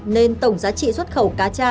nên tổng giá trị xuất khẩu cá cha